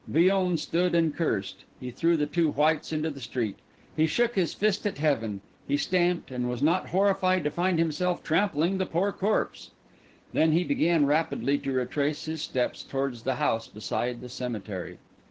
Villon stood and cursed; he threw the two whites into the street; he shook his fist at heaven; he stamped, and was not horrified to find himself trampling the poor corpse. Then he began rapidly to retrace his steps towards the house beside the cemetery.